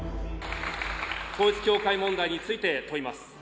統一教会問題について問います。